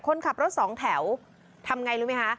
คนขับรถสองแถวทำไงรู้ไหมคะ